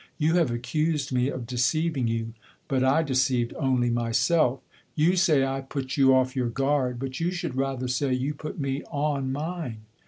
You have accused me of deceiving you, but I deceived only myself. You say I put you off your guard, but you should rather say you put me on mine.